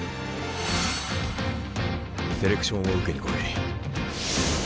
セレクションを受けに来い。